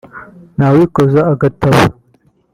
nta wikoza agatabo